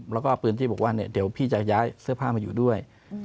แล้วก็เอาปืนที่บอกว่าเดี๋ยวพี่จะย้ายเสื้อผ้ามาอยู่ด้วย